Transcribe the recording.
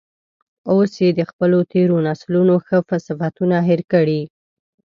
اوس یې د خپلو تیرو نسلونو ښه صفتونه هیر کړي.